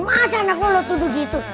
masa anak lu lo tuduh gitu